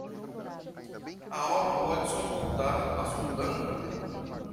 A alma pode suportar a solidão?